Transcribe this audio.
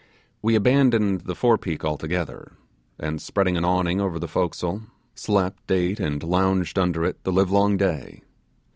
We abandoned the fore peak altogether, and spreading an awning over the forecastle, slept, ate, and lounged under it the live long day.